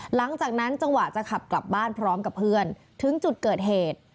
จังหวะจะขับกลับบ้านพร้อมกับเพื่อนถึงจุดเกิดเหตุ